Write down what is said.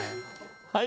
はい。